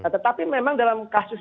tetapi memang dalam kasus